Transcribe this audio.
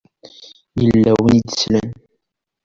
Yella win i d-isellen.